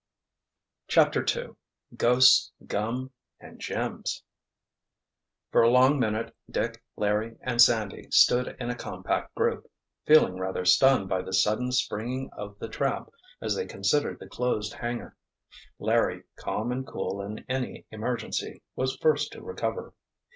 CHAPTER II GHOSTS, GUM—AND GEMS For a long minute Dick, Larry and Sandy stood in a compact group, feeling rather stunned by the sudden springing of the trap, as they considered the closed hangar. Larry, calm and cool in an emergency, was first to recover.